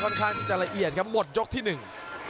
ข้างที่จะละเอียดครับหมดยกที่หนึ่ง